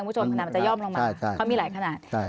ขนาดมันจะย่อมลงมาใช่ใช่เขามีหลายขนาดใช่